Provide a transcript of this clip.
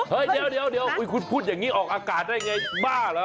เฮ้ยเดี๋ยวคุณพูดอย่างนี้ออกอากาศได้ไงบ้าเหรอ